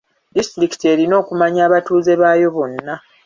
Disitulikiti erina okumanya abatuuze baayo bonna.